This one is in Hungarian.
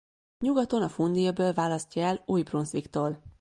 Nyugaton a Fundy-öböl választja el Új-Brunswicktól.